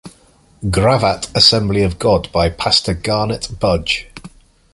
Gravatt Assembly of God by Pastor Garnett Budge.